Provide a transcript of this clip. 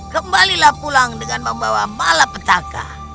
kembalilah pulang dengan membawa malapetaka